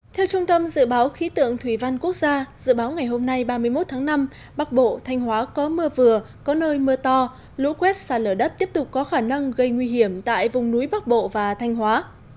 theo trung tâm dự báo khí tượng thủy văn quốc gia dự báo ngày hôm nay ba mươi một tháng năm bắc bộ thanh hóa có mưa vừa có nơi mưa to lũ quét xa lở đất tiếp tục có khả năng gây nguy hiểm tại vùng núi bắc bộ và thanh hóa